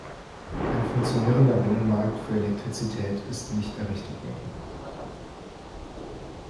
Ein funktionierender Binnenmarkt für Elektrizität ist nicht errichtet worden.